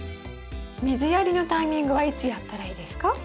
水やりのタイミングはいつやったらいいですか？